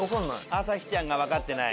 朝日ちゃんが分かってない。